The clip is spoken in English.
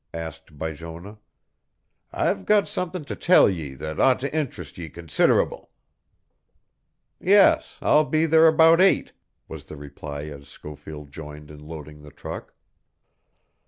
asked Bijonah. "I've got somethin' to tell ye that ought to int'rest ye consid'able." "Yes, I'll be there about eight," was the reply as Schofield joined in loading the truck.